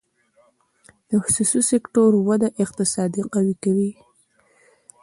د خصوصي سکتور وده اقتصاد قوي کوي